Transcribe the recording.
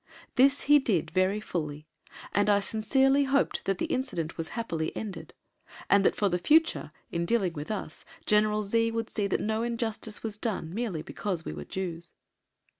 This he did very fully, and I sincerely hoped that the incident was happily ended, and that for the future, in dealing with us, General Z would see that no injustice was done merely because we were Jews.